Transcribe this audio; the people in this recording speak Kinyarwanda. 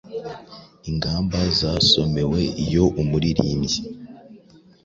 Ingamba zasomeweiyo umuririmbyi